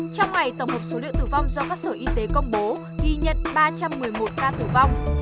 trong ngày tổng hợp số liệu tử vong do các sở y tế công bố ghi nhận ba trăm một mươi một ca tử vong